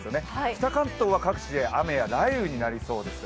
北関東は各地で雨や雷雨になりそうです。